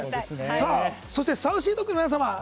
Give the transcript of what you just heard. そしてＳａｕｃｙＤｏｇの皆様。